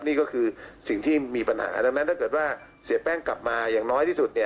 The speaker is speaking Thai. นี่ก็คือสิ่งที่มีปัญหาดังนั้นถ้าเกิดว่าเสียแป้งกลับมาอย่างน้อยที่สุดเนี่ย